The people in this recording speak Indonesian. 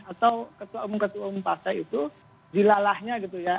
atau ketua umum ketua umum partai itu